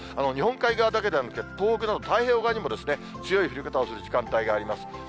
日本海側だけではなくて、東北など、太平洋側にも、強い降り方をする時間帯があります。